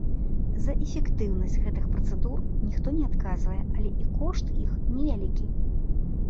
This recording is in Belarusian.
За эфектыўнасць гэтых працэдур ніхто не адказвае, але і кошт іх невялікі.